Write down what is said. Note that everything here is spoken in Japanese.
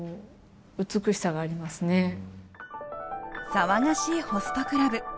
騒がしいホストクラブ。